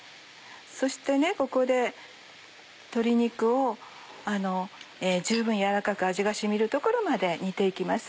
そしてここで鶏肉を十分軟らかく味が染みるところまで煮て行きます。